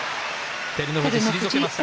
照ノ富士、退けました。